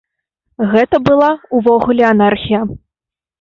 Гэта была ўвогуле анархія.